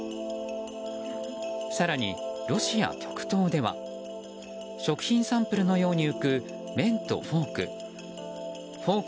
更に、ロシア極東では食品サンプルのように浮く麺とフォーク。